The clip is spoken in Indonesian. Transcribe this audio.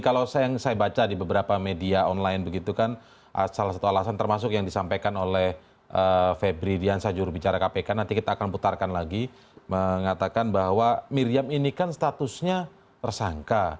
kalau yang saya baca di beberapa media online begitu kan salah satu alasan termasuk yang disampaikan oleh febri diansah jurubicara kpk nanti kita akan putarkan lagi mengatakan bahwa miriam ini kan statusnya tersangka